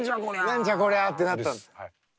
何じゃこりゃってなったんだ。